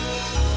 gak mau nyak